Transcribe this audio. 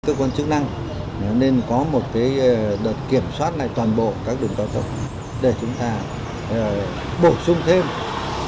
nói chung là tình trạng đi lùi đi ngược chiều diễn ra phổ biến